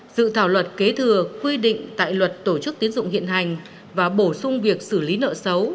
dự thảo luật kế thừa quy định tại luật tổ chức tiến dụng hiện hành và bổ sung việc xử lý nợ xấu